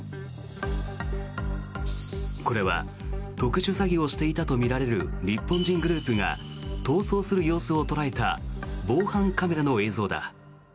これは特殊詐欺をしていたとみられる日本人グループが逃走する様子を捉えた防犯カメラの映像だ。